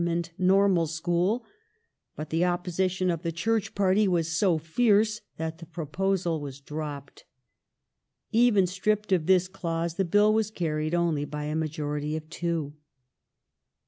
1841] THE QUEEN'S MARRIAGE 141 normal school, but the opposition of the Church party was so fierce that the proposal was dropped. Even stripped of this clause the Bill was carried only by a majority of two.